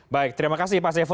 baik terima kasih pak sevo